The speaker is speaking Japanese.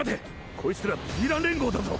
こいつらヴィラン連合だぞ！